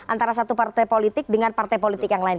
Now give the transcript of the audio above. antara satu partai politik dengan partai politik yang lain